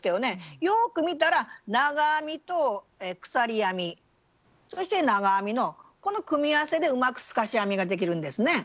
よく見たら長編みと鎖編みそして長編みのこの組み合わせでうまく透かし編みができるんですね。